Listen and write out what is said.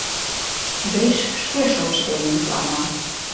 — Гриш шке шотшо дене йӱклана.